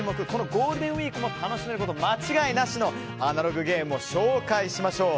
ゴールデンウィークも楽しめること間違いなしのアナログゲームを紹介しましょう。